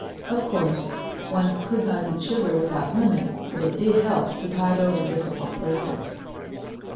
Of course, one could not eat sugar without limit, but it did help to tide over difficult places.